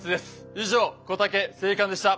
以上こたけ正義感でした。